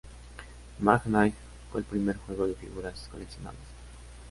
Mage Knight fue el primer juego de figuras coleccionables.